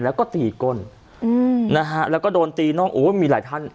แล้วก็ตีก้นอืมนะฮะแล้วก็โดนตีน่องโอ้ยมีหลายท่าน